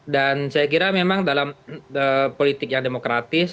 dan saya kira memang dalam politik yang demokratis